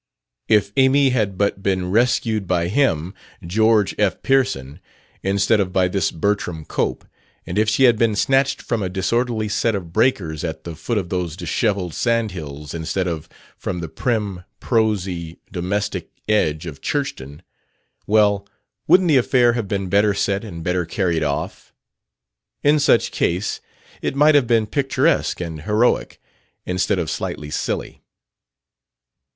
If Amy had but been rescued by him, George F. Pearson, instead of by this Bertram Cope, and if she had been snatched from a disorderly set of breakers at the foot of those disheveled sandhills instead of from the prim, prosy, domestic edge of Churchton well, wouldn't the affair have been better set and better carried off? In such case it might have been picturesque and heroic, instead of slightly silly.